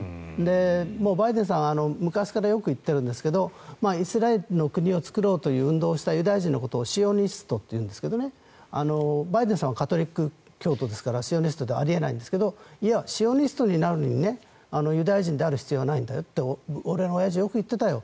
バイデンさんは昔からよく言ってるんですけどイスラエルの国を作ろうという運動をしたユダヤ人のことをシオニストというんですがバイデンさんはカトリック教徒ですからシオニストはあり得ないんですけどいや、シオニストになるのにユダヤ人である必要はないんだよと俺のおやじ、よく言ってたよ。